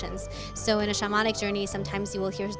jadi dalam perjalanan shamanic kadang kadang anda akan mendengar banyak lagu